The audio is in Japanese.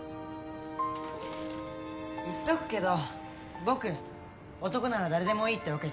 言っとくけど僕男なら誰でもいいってわけじゃないんだからね。